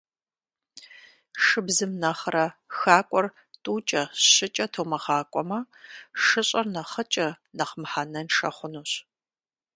Шыбзым нэхърэ хакӏуэр тӏукӏэ-щыкӏэ тумыгъакӏуэмэ, шыщӏэр нэхъыкӏэ, нэхъ мыхьэнэншэ хъунущ.